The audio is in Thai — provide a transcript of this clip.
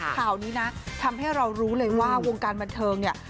ข่าวนี้นะทำให้เรารู้เลยว่าวงการบันเทิงเนี่ย